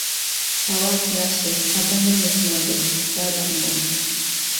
ھاۋاسى ياخشى، ئادەملىرى مېھماندوست، بايلىقى مول.